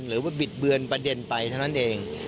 บิดเบือนประเด็นไปเท่านั้นเอง